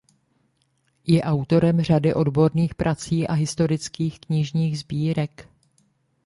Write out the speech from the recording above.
Je autorem řady odborných prací a historických knižních sbírek.